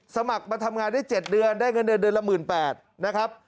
สมัครมาทำงานได้๗เดือนได้เงินเดือนเดือนละ๑๘๐๐นะครับ